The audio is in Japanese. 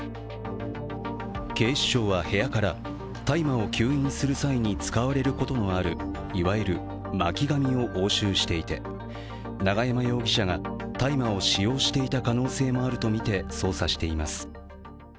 警視庁は部屋から大麻を吸引する際に使われることもあるいわゆる巻紙を押収していて永山容疑者が大麻を使用していた可能性もあるとみて捜査しています。